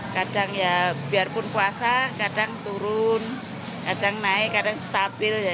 kadang ya biarpun puasa kadang turun kadang naik kadang stabil ya